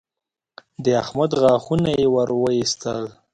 د احمد غاښونه يې ور واېستل